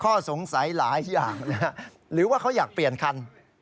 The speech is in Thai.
ข้อสงสัยหลายอย่างหรือว่าเขาอยากเปลี่ยนคัน